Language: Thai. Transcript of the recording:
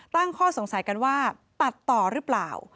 ตั้งข้อสงสัยกันว่าตัดต่อหรือเปล่า